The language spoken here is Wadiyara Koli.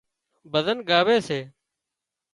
ڀزن ڳاوي سي